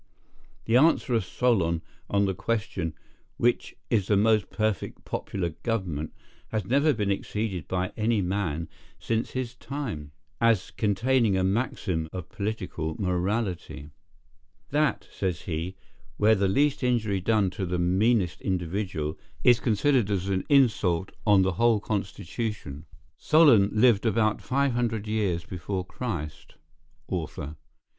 The answer of Solon on the question, "Which is the most perfect popular govemment," has never been exceeded by any man since his time, as containing a maxim of political morality, "That," says he, "where the least injury done to the meanest individual, is considered as an insult on the whole constitution." Solon lived about 500 years before Christ.—Author.